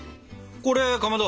これかまど